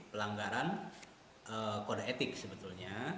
pelanggaran kode etik sebetulnya